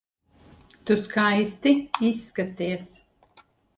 Tu skaisti izskaties.